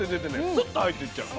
スッと入っていっちゃう。